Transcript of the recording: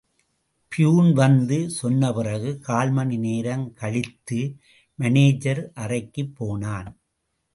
Peon வந்து சொன்னபிறகு, கால்மணி நேரம் கழித்து, மானேஜர் அறைக்குப் போனான்.